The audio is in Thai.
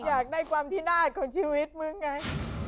อยากได้ความพินาศของชีวิตมึงไง